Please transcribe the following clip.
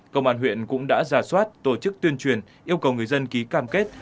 công an huyện cũng đã giả soát tổ chức tuyên truyền yêu cầu người dân ký cam kết